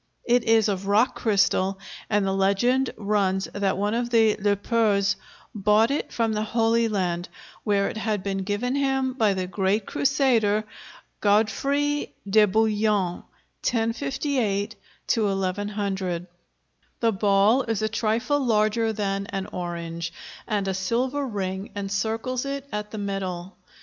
It is of rock crystal, and the legend runs that one of the Le Poers brought it from the Holy Land, where it had been given him by the great crusader Godefroy de Bouillon (1058 1100). The ball is a trifle larger than an orange and a silver ring encircles it at the middle.